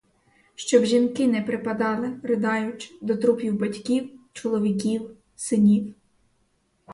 Щоб жінки не припадали, ридаючи, до трупів батьків, чоловіків, синів.